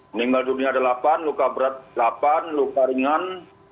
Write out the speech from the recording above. meninggal dunia ada delapan luka berat delapan luka ringan dua puluh tiga